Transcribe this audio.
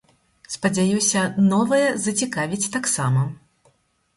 Спадзяюся, новая зацікавіць таксама.